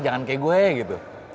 jangan kayak gue gitu